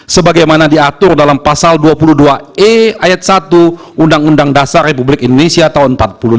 sebagaimana diatur dalam pasal dua puluh dua e ayat satu undang undang dasar republik indonesia tahun seribu sembilan ratus empat puluh lima